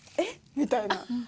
みたいな。